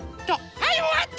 はいおわった！